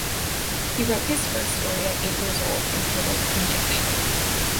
He wrote his first story at eight years old entitled Injection.